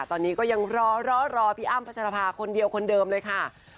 ตอนนี้ก็ยังรอรอพี่อ้ำพัชรภาคนเดียวคนเดิมเลยค่ะ